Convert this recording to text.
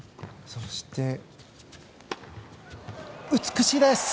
そして美しいです！